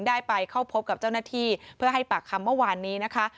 ได้ไปเข้าพบกับเจ้าหน้าที่เพื่อให้ปากคำเมื่อวานนี้นะคะ